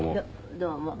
どうも。